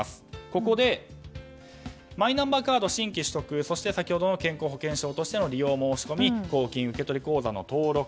ここでマイナンバーカード新規取得そして、健康保険証としての利用申し込み公金受取口座の登録